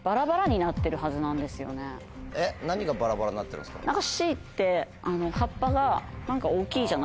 何がバラバラになってるんすか？